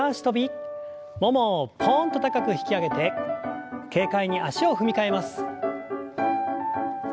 ももをポンと高く引き上げて軽快に足を踏み替えます。